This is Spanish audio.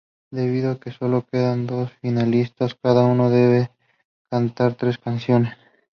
Debido a que sólo quedan dos finalistas, cada uno debe cantar tres canciones.